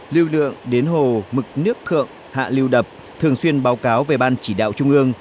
lưu lượng đến hồ mực nước thượng hạ lưu đập thường xuyên báo cáo về ban chỉ đạo trung ương